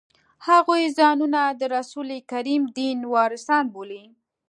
هغوی ځانونه د رسول کریم دین وارثان بولي.